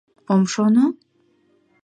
— Ом шоно?